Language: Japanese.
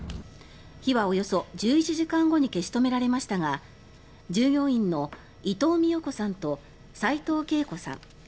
火はおよそ１１時間後に消し止められましたが従業員の伊藤美代子さんと齋藤慶子さん